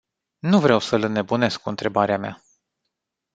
Nu vreau să-l înnebunesc cu întrebarea mea.